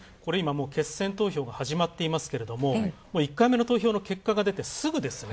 決選投票が始まっていますけれども１回目の投票の結果が出てすぐですね。